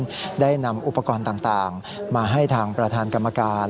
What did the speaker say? ได้นำอุปกรณ์ต่างมาให้ทางประธานกรรมการ